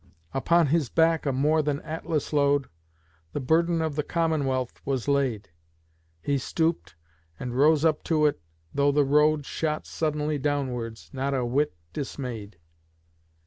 Upon his back a more than Atlas load, The burden of the Commonwealth, was laid; He stooped, and rose up to it, though the road Shot suddenly downwards, not a whit dismayed.